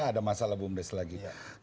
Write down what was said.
ada masalah boomdes lagi